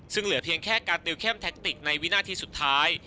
ซึ่งเหลือเพียงแค่การติวเข้มแท็กติกในวินาทีสุดท้าย